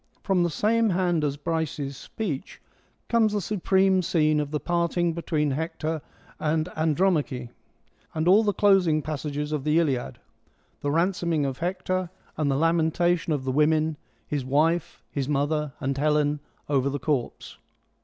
From the same hand as Briseis ' speech comes the supreme scene of the parting between Hector and Andromache, and all the closing passages of the Iliad : the ransoming of Hector, and the lamentation THE EARLY EPIC 15 of the women — his wife, his mother, and Helen — over the corpse.